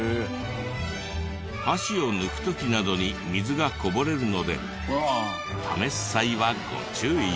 箸を抜く時などに水がこぼれるので試す際はご注意を。